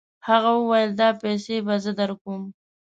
هغه وویل دا پیسې به زه درکوم.